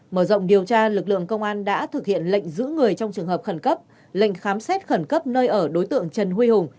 mở rộng điều tra lực lượng công an đã thực hiện lệnh giữ người trong trường hợp khẩn cấp lệnh khám xét khẩn cấp nơi ở đối tượng trần huy hùng